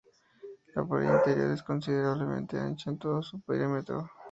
La pared interior es considerablemente ancha en todo su perímetro.